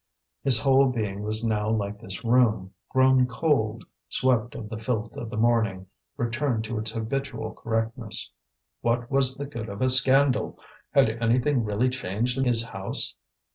His whole being was now like this room, grown cold, swept of the filth of the morning, returned to its habitual correctness. What was the good of a scandal? had anything really changed in his house?